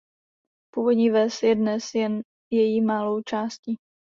Původní ves je dnes jen její malou částí.